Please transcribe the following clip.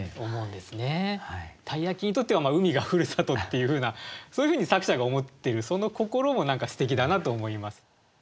鯛焼にとっては海がふるさとっていうふうなそういうふうに作者が思ってるその心も何かすてきだなと思います。